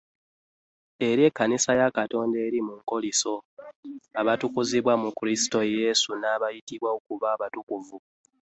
Eri ekkanisa ya Katonda eri mu Kkolinso, abaatukuzibwa mu Kristo Yesu n'abaayitibwa okuba abatukuvu.